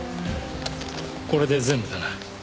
これで全部だな。